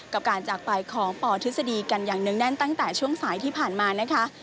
กับการจากไปของปทฤษฎีกันอย่างเนื่องแน่นตั้งแต่ช่วงสายที่ผ่านมานะคะ